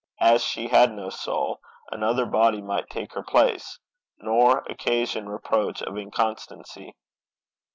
As she had no soul, another body might take her place, nor occasion reproach of inconstancy.